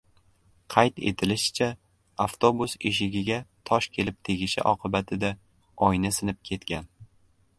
Qayd etilishicha, avtobus eshigiga tosh kelib tegishi oqibatida oyna sinib ketgan